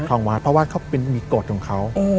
ทางวัดเพราะว่ามีกฎของเขา